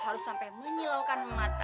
harus sampai menyilaukan mata